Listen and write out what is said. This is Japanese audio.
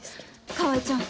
川合ちゃん